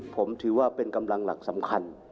ผมถือว่าเป็นกำลังหลักสำคัญ